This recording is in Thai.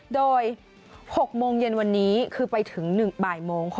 โดย๖โมงเย็นวันนี้คือไปถึง๑บ่ายโมง